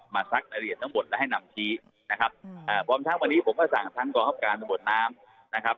ซักรายละเอียดทั้งหมดและให้นำชี้นะครับพร้อมทั้งวันนี้ผมก็สั่งทั้งกองคับการตำรวจน้ำนะครับ